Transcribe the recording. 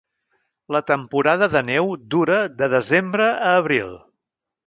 La temporada de neu dura de desembre a abril.